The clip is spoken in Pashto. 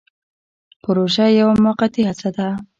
پروژه یوه موقتي هڅه ده